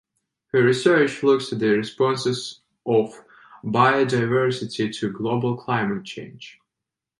Her research looks at the responses of biodiversity to global climate change.